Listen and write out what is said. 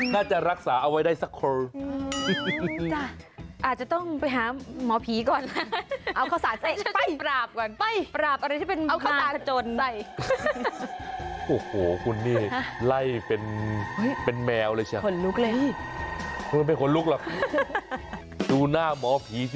ง่าจะรักษาเอาไว้ได้สักคนอาจจะต้องไปหาหมอผีก่อนเอาโค